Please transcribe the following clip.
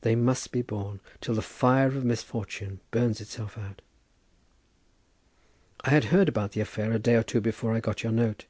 They must be borne, till the fire of misfortune burns itself out. I had heard about the affair a day or two before I got your note.